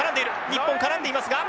日本絡んでいますが。